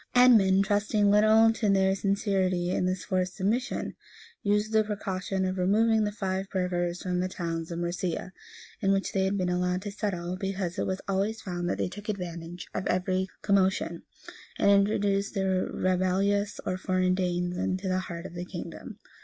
Edmund, trusting little to their sincerity in this forced submission, used the precaution of removing the Five burgers from the towns of Mercia, in which they had been allowed to settle; because it was always found that they took advantage of every commotion, and introduced the rebellious or foreign Danes into the heart of the kingdom.